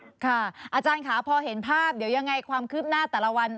อาจารย์ค่ะพอเห็นภาพเดี๋ยวยังไงความคืบหน้าแต่ละวัน